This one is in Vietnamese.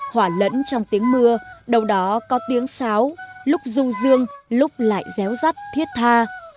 hỏa lẫn trong tiếng mưa đâu đó có tiếng sáo lúc ru rương lúc lại déo rắt thiết tha